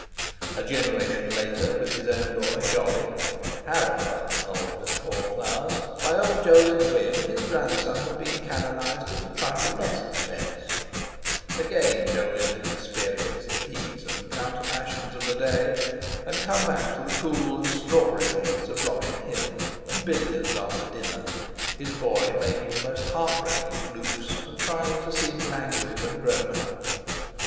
A generation later, with his own boy, Jolly, Harrow buttonholed with corn flowers—by old Jolyon's whim his grandson had been canonised at a trifle less expense—again Jolyon had experienced the heat and counter passions of the day, and come back to the cool and the strawberry beds of Robin Hill, and billiards after dinner, his boy making the most heart breaking flukes and trying to seem languid and grown up.